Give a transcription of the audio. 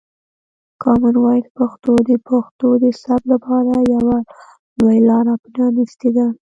کامن وایس پښتو د پښتو د ثبت لپاره یوه نوې لاره پرانیستې ده.